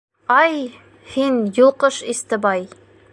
— Ай, һин, йолҡош Истебай.